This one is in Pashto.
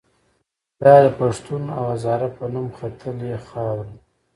دا د پښتون او هزاره په نوم ختلې خاوره